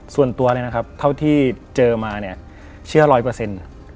ส่วนตัวเนี่ยนะครับเท่าที่เจอมาเนี่ยเชื่อร้อยเปอร์เซ็นต์